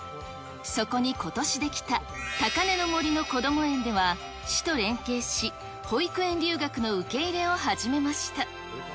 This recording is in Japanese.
そこにことし出来た、高嶺の森のこども園では、市と連携し、保育園留学の受け入れを始めまし